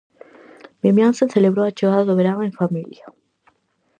Vimianzo celebrou a chegada do verán en familia.